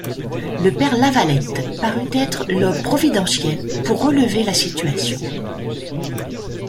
Le Père Lavalette parut être l'homme providentiel pour relever la situation.